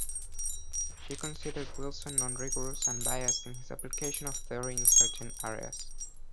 She considered Wilson "nonrigorous and biased in his application of theory in certain areas".